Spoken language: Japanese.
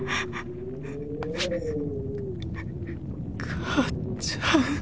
母ちゃん。